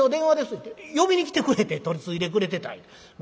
いって呼びに来てくれて取り次いでくれてたいうま